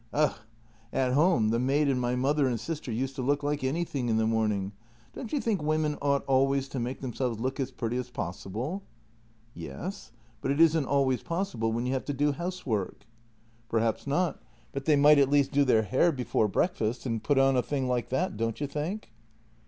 " Ugh! At home the maid and my mother and sister used to look like anything in the morning. Don't you think women ought always to make themselves look as pretty as possible?" " Yes, but it isn't always possible when you have to do house work." JENNY 99 " Perhaps not, but they might at least do their hair before breakfast and put on a thing like that, don't you think?